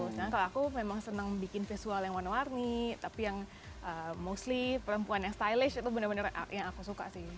sedangkan kalau aku memang senang bikin visual yang warna warni tapi yang mostly perempuan yang stylish itu benar benar yang aku suka sih